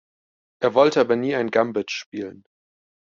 Er wollte aber nie ein Gambit spielen.